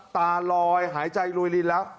ตาลอยหายใจรวยลินแล้ว